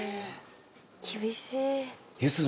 厳しいな。